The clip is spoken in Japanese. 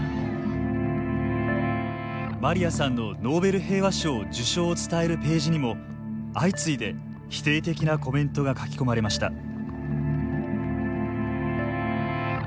マリアさんのノーベル平和賞受賞を伝えるページにも相次いで否定的なコメントが書き込まれました。